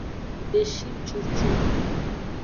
Beshi cucu.